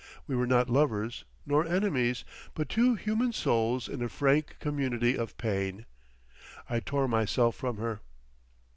We were not lovers nor enemies, but two human souls in a frank community of pain. I tore myself from her.